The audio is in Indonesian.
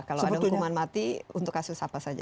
kalau ada hukuman mati untuk kasus apa saja